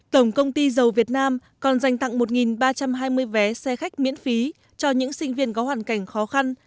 tổng công ty dầu việt nam còn dành tặng một ba trăm hai mươi vé xe khách miễn phí cho những sinh viên có hoàn cảnh khó khăn